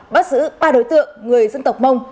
bắt giữ ba đối tượng người dân tộc mông